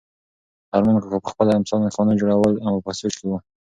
ارمان کاکا په خپله امسا نښانونه جوړول او په سوچ کې و.